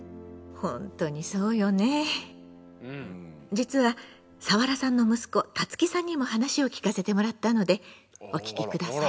実はサワラさんの息子タツキさんにも話を聞かせてもらったのでお聞き下さい。